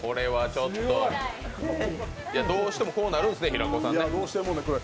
どうしてもこうなるんですね、平子さんね。